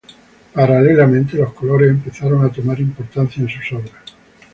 Paralelamente, los colores empezaron a tomar importancia en sus obras.